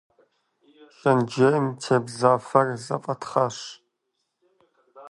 Шэнтжьейм тебза фэр зэфӏэтхъащ.